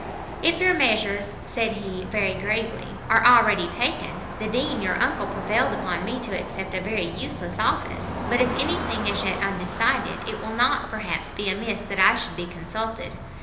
"If your measures," said he, very gravely, "are already taken, the Dean your uncle prevailed upon me to accept a very useless office; but if any thing is yet undecided, it will not, perhaps, be amiss that I should be consulted.